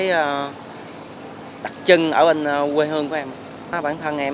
bản địa của em là bản địa của cùng sơn bản địa của em là bản địa của cùng sơn bản địa của em là bản địa của cùng sơn